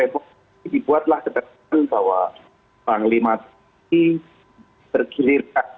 jadi dibuatlah gebatan bahwa panglima tentara nasional tergirirkan